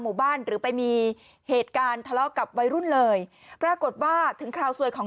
หรือไปมีเหตุการณ์ทะเลาะกับวัยรุ่นเลยปรากฏว่าถึงคราวสวยของ